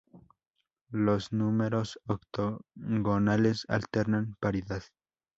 Los números octogonales alternan paridad.